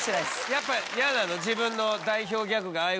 やっぱ嫌なの？